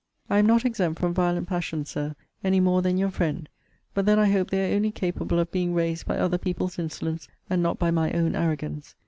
I am not exempt from violent passions, Sir, any more than your friend; but then I hope they are only capable of being raised by other people's insolence, and not by my own arrogance.